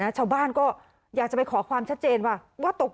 ชาวบ้านก็อยากจะไปขอความชัดเจนว่าว่าตก